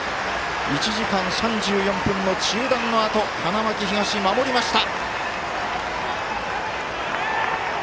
１時間３４分の中断のあと花巻東、守りました。